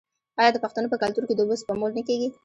آیا د پښتنو په کلتور کې د اوبو سپمول نه کیږي؟